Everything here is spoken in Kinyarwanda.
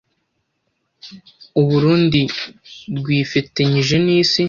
u Burunndi rwifetenyije n’isi